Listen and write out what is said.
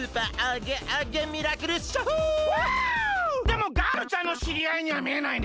でもガールちゃんのしりあいにはみえないね。